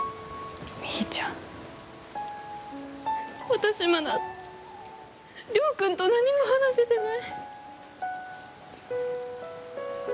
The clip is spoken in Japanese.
私まだ、亮君と何も話せてない。